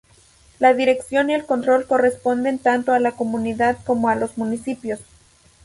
La dirección y el control corresponden tanto a la Comunidad como a los municipios.